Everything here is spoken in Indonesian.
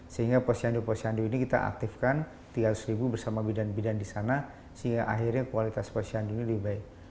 sehingga posyandu posyandu ini kita aktifkan tiga ratus ribu bersama bidan bidan di sana sehingga akhirnya kualitas posyandu ini lebih baik